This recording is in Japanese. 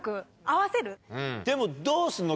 でもどうすんの？